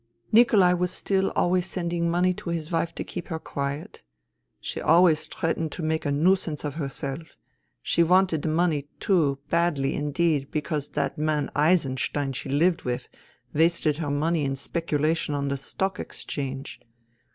" Nikolai was still always sending money to his wife to keep her quiet. She always threatened to make a nuisance of herself. She wanted the money, too — badly indeed, because that man Eisen stein she lived with wasted her money in specu lation on the Stock Exchange.